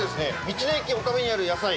道の駅おかべにある野菜